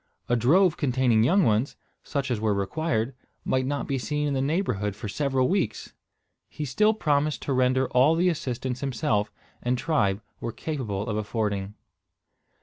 A drove containing young ones, such as were required, might not be seen in the neighbourhood for several weeks. He still promised to render all the assistance himself and tribe were capable of affording.